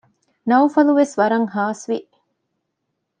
ނައުފަލުވެސް ވަރަށް ހާސްވި